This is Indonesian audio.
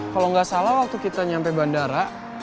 kalau nggak salah waktu kita nyampe bandara